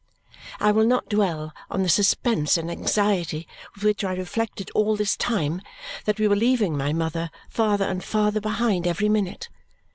I will not dwell on the suspense and anxiety with which I reflected all this time that we were leaving my mother farther and farther behind every minute.